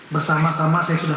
bersama sama saya sudah